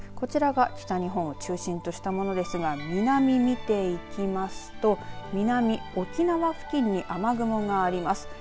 こちらが北日本を中心としたものですが南、見ていきますと南、沖縄付近に雨雲があります。